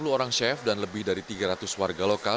sepuluh orang chef dan lebih dari tiga ratus warga lokal